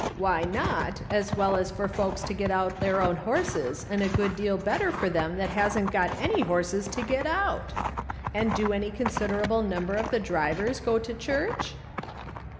Why not, as well as for folks to get out their own horses, and a good deal Ijctter for them tliat hasn't got any horses to get out ! And do any considerable number of the drivers go to church